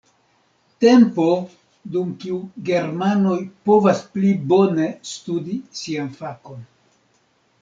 Tempo, dum kiu germanoj povas pli bone studi sian fakon.